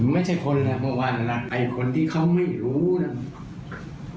ไม่ใช่คนแหละเมื่อวานรักไอ้คนที่เขาไม่รู้นะ